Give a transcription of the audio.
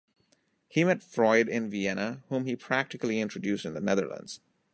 He met Freud in Vienna, whom he practically introduced in the Netherlands.